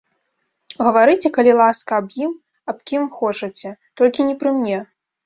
Гаварыце, калі ласка, аб ім, аб кім хочаце, толькі не пры мне.